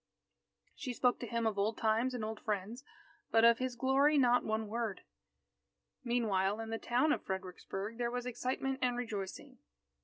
She spoke to him of old times and old friends, but of his glory, not one word. Meanwhile, in the town of Fredericksburg there was excitement and rejoicing.